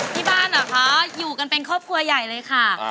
ที่บ้านเหรอคะอยู่กันเป็นครอบครัวใหญ่เลยค่ะ